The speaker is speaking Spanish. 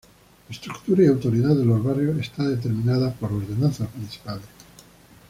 La estructura y autoridad de los barrios está determinada por ordenanzas municipales.